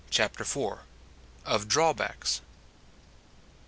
CHAPTER IV. OF DRAWBACKS.